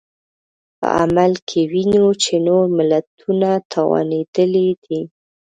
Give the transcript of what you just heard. په عمل کې وینو چې نور ملتونه توانېدلي دي.